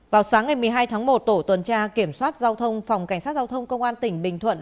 vào sáng ngày một mươi hai tháng một tổ tuần tra kiểm soát giao thông phòng cảnh sát giao thông công an tỉnh bình thuận